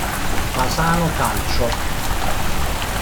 Fasano Calcio.